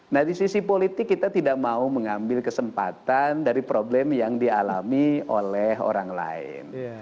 nah di sisi politik kita tidak mau mengambil kesempatan dari problem yang dialami oleh orang lain